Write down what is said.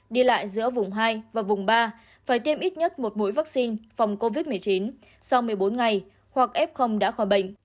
đi lại giữa vùng hai và vùng ba phải tiêm ít nhất một mũi vaccine phòng covid một mươi chín sau một mươi bốn ngày hoặc f đã khỏi bệnh